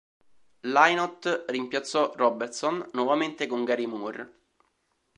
Lynott rimpiazzò Robertson nuovamente con Gary Moore.